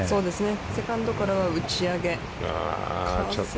セカンドからは打ち上げ。